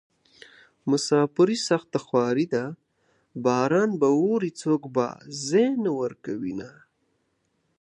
مساپري سخته خواري ده باران به اوري څوک به ځای نه ورکوينه